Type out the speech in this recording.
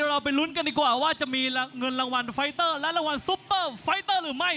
เราไปลุ้นกันดีกว่าว่าจะมีเงินรางวัลไฟเตอร์และรางวัลซุปเปอร์ไฟเตอร์หรือไม่